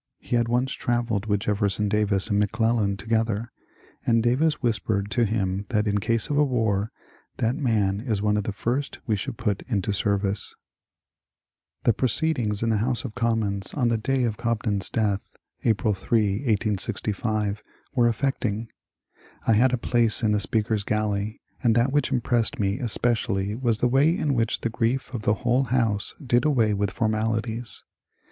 He had once travelled with Jefferson Davis and McClellan together, and Davis whispered to him that in case of a war ^^ that man is one of the first we should put into service." The proceedings in the House of Commons on the day of Cobden's death, April 8, 1865, were affecting. I had a place in the Speaker's gallery, and that which impressed me espe cially was the way in which the grief of the whole House did away with formalities.